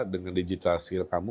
dengan digital skill kamu